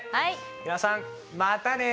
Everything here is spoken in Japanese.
皆さんまたね！